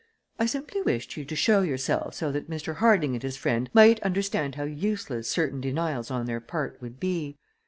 I simply wished you to show yourself so that Mr. Harding and his friend might understand how useless certain denials on their part would be.